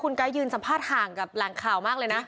ไก๊ยืนสัมภาษณ์ห่างกับแหล่งข่าวมากเลยนะ